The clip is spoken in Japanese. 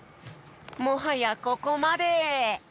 もはやここまで！